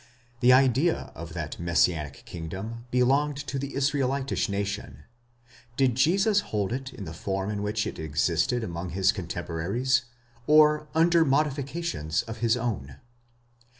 'The idea of that messianic kingdom belonged to the Israelitish nation ; did Jesus hold it in the form in which it existed among his cotemporaries, or under modifications of his own